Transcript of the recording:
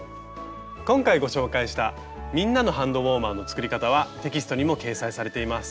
今回ご紹介した「みんなのハンドウォーマー」の作り方はテキストにも掲載されています。